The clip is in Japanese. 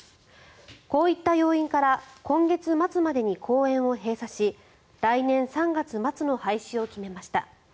こういった要因から今月末までに公園を閉鎖し来年３月末の廃止を決めました。